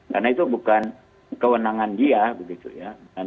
karena itu bukan kewenangan dia gitu ya